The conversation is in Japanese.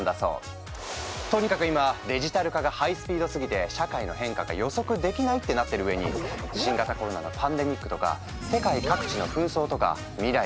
とにかく今デジタル化がハイスピードすぎて社会の変化が予測できないってなってるうえに新型コロナのパンデミックとか世界各地の紛争とか未来がより読めない。